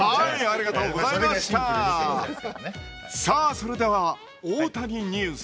それでは大谷ニュース